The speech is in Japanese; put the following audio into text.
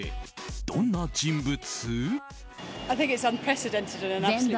どんな人物？